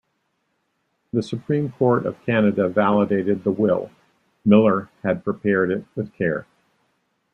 The Supreme Court of Canada validated the will; Millar had prepared it with care.